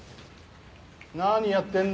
何やってんだ？